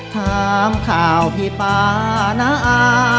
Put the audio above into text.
ถามข่าวพี่ปานา